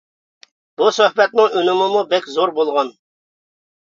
بۇ سۆھبەتنىڭ ئۈنۈمىمۇ بەك زور بولغان.